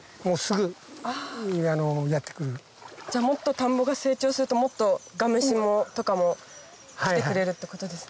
じゃあもっと田んぼが成長するともっとガムシとかも来てくれるってことですね。